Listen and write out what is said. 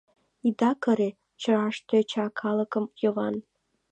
— Ида кыре, — чараш тӧча калыкым Йыван.